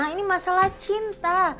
ini masalah cinta